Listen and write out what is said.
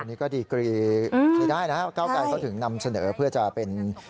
นี่ก็ดีกรีที่ได้นะครับเก้าไกรเขาถึงนำเสนอเพื่อจะเป็น